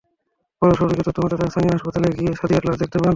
পরে শফিকের তথ্যমতে তাঁরা স্থানীয় হাসপাতালে গিয়ে সাদিয়ার লাশ দেখতে পান।